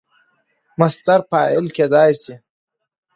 مصدر فاعل کېدای سي.